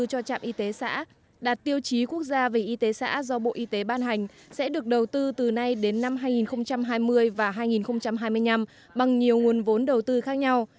cho trạm y tế xã đạt tiêu chí quốc gia về y tế xã do bộ y tế ban hành sẽ được đầu tư từ nay đến năm hai nghìn hai mươi và hai nghìn hai mươi năm bằng nhiều nguồn vốn đầu tư khác nhau